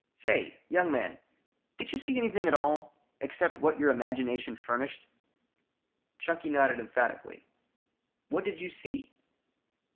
"Say, young man, did you see anything at all, except what your imagination furnished?" Chunky nodded emphatically. "What did you see?"